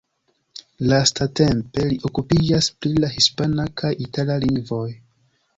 Lastatempe li okupiĝas pri la hispana kaj itala lingvoj.